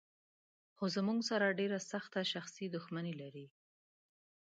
خو زموږ سره ډېره سخته شخصي دښمني لري.